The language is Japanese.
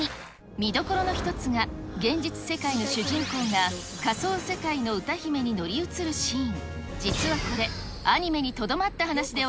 見どころの一つが、現実世界の主人公が、仮想世界の歌姫に乗り移るシーン。